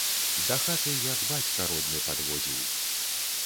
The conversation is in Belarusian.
Да хаты як бацька родны падводзіў.